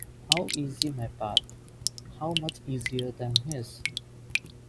How easy my path, how much easier than his!